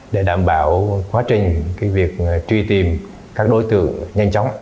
để đảm bảo quá trình việc truy tìm các đối tượng nhanh chóng